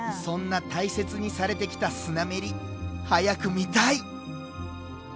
そんな大切にされてきたスナメリ早く見たい！